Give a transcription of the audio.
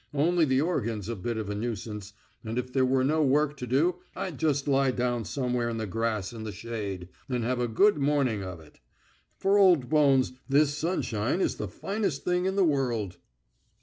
Only the organ's a bit of a nuisance, and if there were no work to do I'd just lie down somewhere in the grass in the shade, and have a good morning of it. For old bones this sunshine is the finest thing in the world."